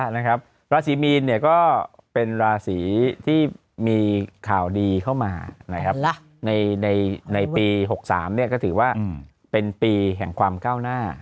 ลาศีมีนเนี่ยก็เป็นลาศีที่มีข่าวดีเข้ามาในปี๖๓เนี่ยก็ถือว่าเป็นปรีย์แห่งความก้าวหน้า